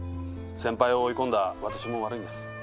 先輩を追い込んだ私も悪いんです。